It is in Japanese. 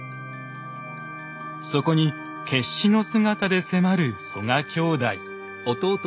そこに決死の姿で迫る曽我兄弟。